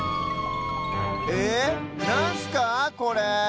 えなんすかこれ？